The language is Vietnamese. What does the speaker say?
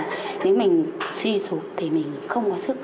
nếu mình suy sụp thì mình không có sức